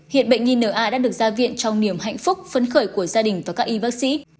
hiện bệnh nhi n a đã được gia viện trong niềm hạnh phúc phấn khởi của gia đình và các y bác sĩ